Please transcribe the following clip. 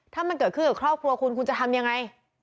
ถ้ามันเกิดขึ้นกับครอบครัวคุณคุณจะทำยังไง